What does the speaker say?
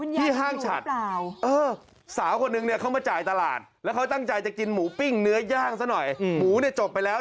ที่ห้างฉัดเปล่าสาวคนนึงเนี่ยเขามาจ่ายตลาดแล้วเขาตั้งใจจะกินหมูปิ้งเนื้อย่างซะหน่อยหมูเนี่ยจบไปแล้ว